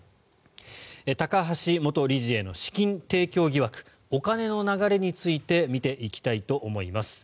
高橋元理事への資金提供疑惑お金の流れについて見ていきたいと思います。